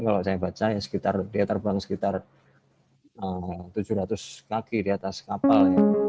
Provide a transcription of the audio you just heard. kalau saya baca ya sekitar dia terbang sekitar tujuh ratus kaki di atas kapal